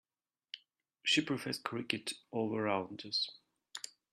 She prefers cricket over rounders.